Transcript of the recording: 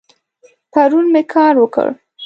پرون می کار وکړ